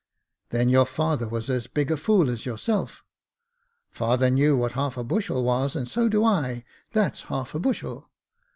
" Then your father was as big a fool as yourself." " Father knew what half a bushel was, and so do I : that's half a bushel."